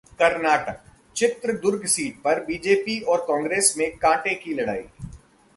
Karnataka: Chitradurga seat पर BJP और कांग्रेस में कांटे की लड़ाई